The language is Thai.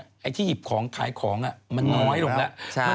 ไอ้ที่หยิบของขายของมันน้อยลงแล้ว